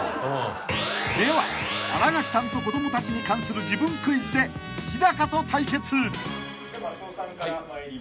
［では新垣さんと子供たちに関する自分クイズでヒダカと対決］